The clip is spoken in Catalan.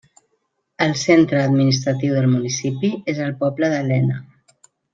El centre administratiu del municipi és el poble de Lena.